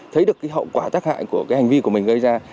thấy được hậu quả tác hại của hành vi của mình gây ra